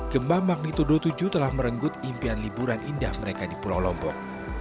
gempa magnitudo tujuh telah merenggut impian liburan indah mereka di pulau lombok